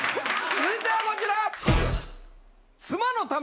続いてはこちら。